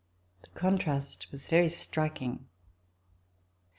The contrast was very striking.